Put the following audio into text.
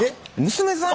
娘さん？